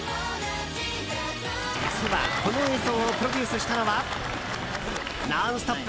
実は、この映像をプロデュースしたのは「ノンストップ！」